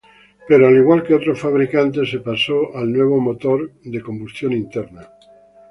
Pero al igual que otros fabricantes, se pasó al nuevo motor de combustión interna.